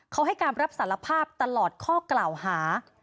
เขาให้การรับสารภาพตลอดข้อกล่าวหา